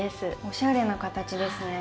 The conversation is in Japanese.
おしゃれな形ですね。